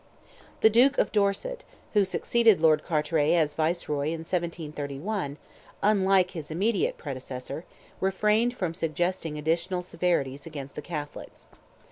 The Duke of Dorset, who succeeded Lord Carteret as Viceroy in 1731, unlike his immediate predecessor, refrained from suggesting additional severities against the Catholics.